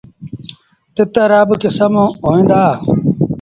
تتر رآ با ڪسم هوئيݩ دآ۔